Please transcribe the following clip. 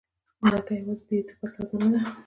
مرکه یوازې د یوټوبر سودا نه ده.